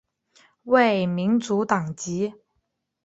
为民主党籍。